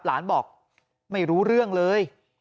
หลานบอกไม่รู้เรื่องเลย